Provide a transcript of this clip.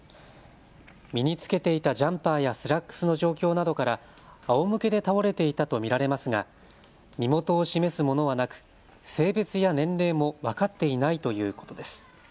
身に着けていたジャンパーやスラックスの状況などからあおむけで倒れていたと見られますが身元を示すものはなく性別や年齢も分かっていないということです。